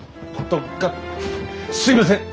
すいません！